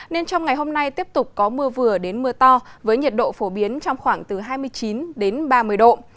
nên trong ngày hôm nay tiếp tục có mưa vừa đến mưa to với nhiệt độ phổ biến trong khoảng từ hai mươi chín đến ba mươi độ